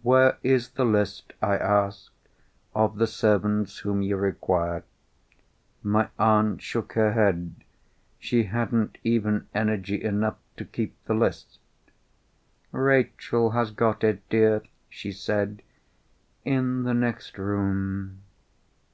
"Where is the list," I asked, "of the servants whom you require?" My aunt shook her head; she hadn't even energy enough to keep the list. "Rachel has got it, dear," she said, "in the next room."